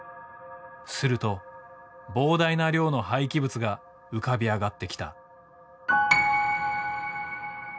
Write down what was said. すると膨大な量の廃棄物が浮かび上がってきた。